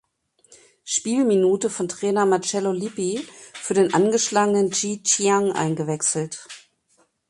Spielminute von Trainer Marcello Lippi für den angeschlagenen Ji Xiang eingewechselt.